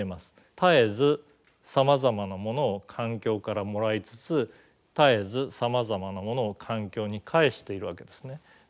絶えずさまざまなものを環境からもらいつつ絶えずさまざまなものを環境に返しているわけですね。